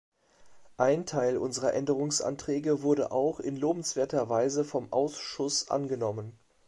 Ein Teil unserer Änderungsanträge wurde auch in lobenswerter Weise vom Ausschuss angenommen.